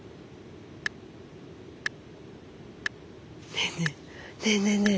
ねえねえねえねえねえ。